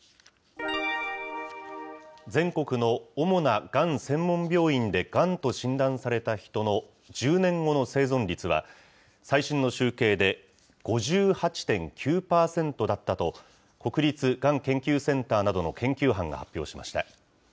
全国の主ながん専門病院でがんと診断された人の１０年後の生存率は、最新の集計で５８．９％だったと、国立がん研究センターなどの研究班が発表しました。